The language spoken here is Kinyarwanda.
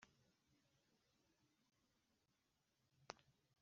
Impamvu zo kugana mu burasirazuba ni izi Abazungu ba